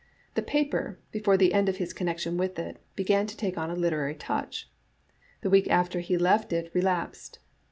" The paper, before the end of his connection with it, began to take on a literary touch. The week after he left it re lapsed.